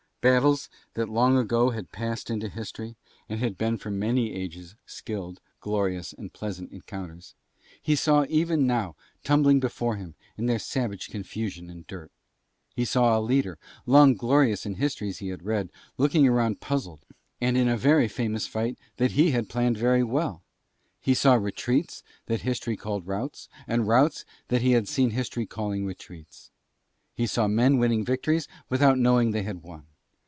Battles that long ago had passed into history and had been for many ages skilled, glorious and pleasant encounters he saw even now tumbling before him in their savage confusion and dirt. He saw a leader, long glorious in histories he had read, looking round puzzled, to see what was happening, and in a very famous fight that he had planned very well. He saw retreats that History called routs, and routs that he had seen History calling retreats. He saw men winning victories without knowing they had won.